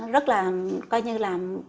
rất là coi như là